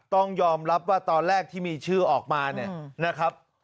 ต้องยอมรับว่าตอนแรกที่มีชื่อออกมาเนี่ยนะครับ